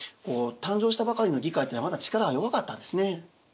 誕生したばかりの議会っていうのはまだ力が弱かったんですね。